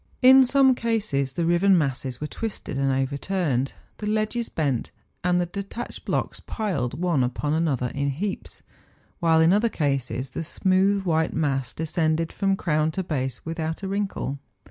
In some cases the riven masses were twisted and overturned, the ledges bent, and the detached blocks piled one upon another in heaps ; while in other cases the smooth white mass de¬ scended from crown to base without a wrinkle.